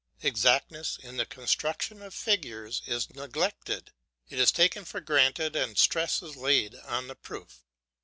Exactness in the construction of figures is neglected; it is taken for granted and stress is laid on the proof.